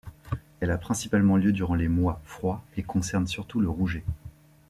Elle a principalement lieu durant les mois froid et concerne surtout le rouget.